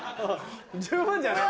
十分じゃない？